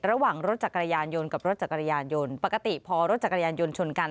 ระหว่างรถจักรยานยนต์กับรถจักรยานยนต์ปกติพอรถจักรยานยนต์ชนกัน